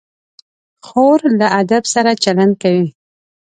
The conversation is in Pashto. خور له ادب سره چلند کوي.